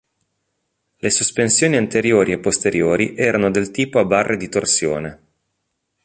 Le sospensioni anteriori e posteriori erano del tipo a barre di torsione.